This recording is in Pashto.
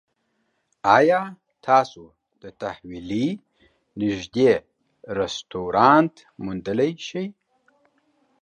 ایا تاسو د تحویلۍ نږدې رستورانت موندلی شئ؟